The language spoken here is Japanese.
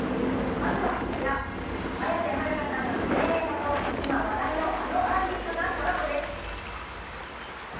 まずはこちら、綾瀬はるかさんの主演映画と、今、話題のあのアーティストがコラボです。